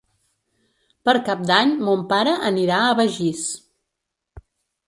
Per Cap d'Any mon pare anirà a Begís.